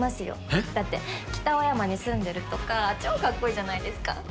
えっ？だって北青山に住んでるとか超かっこいいじゃないですか。